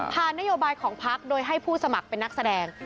นโยบายของพักโดยให้ผู้สมัครเป็นนักแสดง